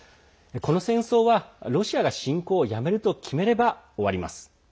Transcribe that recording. この戦争は、ロシアが侵攻をやめると決めれば終わります。